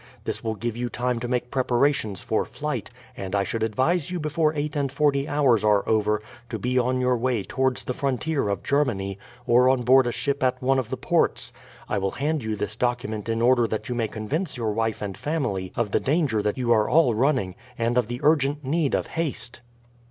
This will give you time to make preparations for flight, and I should advise you before eight and forty hours are over to be on your way towards the frontier of Germany, or on board a ship at one of the ports. I will hand you this document in order that you may convince your wife and family of the danger that you are all running, and of the urgent need of haste."